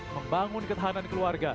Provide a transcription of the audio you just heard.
membangun ketahanan keluarga